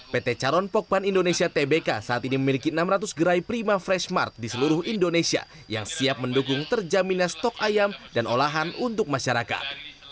pt caron pokpan indonesia tbk saat ini memiliki enam ratus gerai prima fresh mark di seluruh indonesia yang siap mendukung terjaminnya stok ayam dan olahan untuk masyarakat